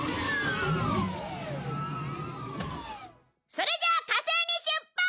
それじゃあ火星に出発！